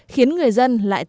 khiến người dân lãng phí